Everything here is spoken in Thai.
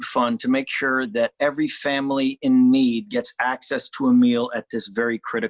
ฟังเสียงเขาพูดสิ